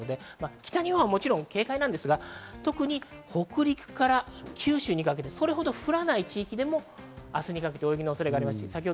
北日本はもちろん警戒なんですが、特に北陸から九州にかけて、それほど降らない地域でも、明日にかけて大雪の恐れがあります。